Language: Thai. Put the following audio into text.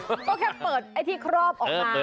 ก็แค่เปิดไอ้ที่ครอบออกมา